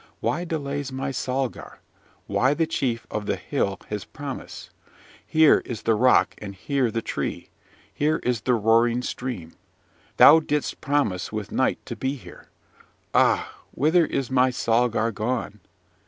Why delays my Salgar; why the chief of the hill his promise? Here is the rock and here the tree! here is the roaring stream! Thou didst promise with night to be here. Ah! whither is my Salgar gone?